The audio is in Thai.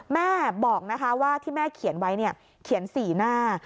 แม่บอกนะคะว่าที่แม่เขียนไว้เขียนสีหน้า